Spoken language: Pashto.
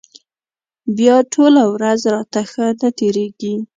بیا ټوله ورځ راته ښه نه تېرېږي.